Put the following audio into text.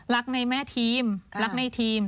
รักในแม่ทีมรักในทีม